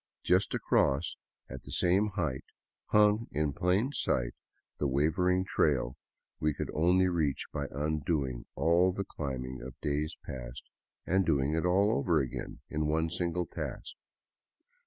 Just across, at the same height, hung in plain sight the wavering trail we could only reach by undoing all the climb ing of days past and doing it all over again in one single task.